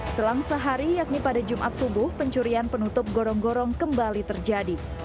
selang sehari yakni pada jumat subuh pencurian penutup gorong gorong kembali terjadi